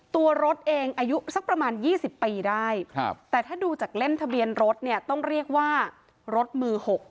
ตัวรถเองอายุสักประมาณ๒๐ปีได้แต่ถ้าดูจากเล่มทะเบียนรถเนี่ยต้องเรียกว่ารถมือ๖